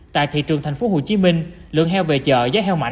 tại thị trường tp hcm lượng heo về chợ giá heo mạnh